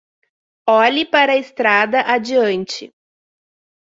Olhe para a estrada adiante